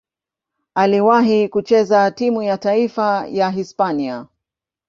Aliwahi kucheza timu ya taifa ya Hispania.